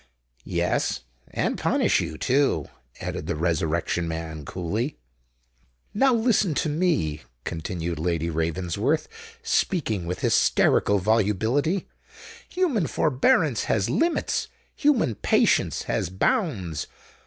"Yes—and punish you too," added the Resurrection Man, coolly. "Now listen to me," continued Lady Ravensworth, speaking with hysterical volubility: "human forbearance has limits—human patience has bounds.